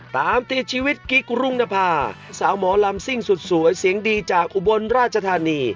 ตามติดชีวิตกิ๊กรุงนภาสาวหมอลำซิ่งสุดสวยเสียงดีจากอุบลราชธานี